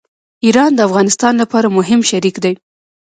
ایران د افغانستان لپاره مهم شریک دی.